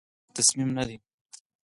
هغه د نن ورځ تصامیم نه دي،